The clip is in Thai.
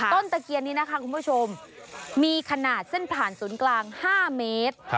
ตะเคียนนี้นะคะคุณผู้ชมมีขนาดเส้นผ่านศูนย์กลาง๕เมตร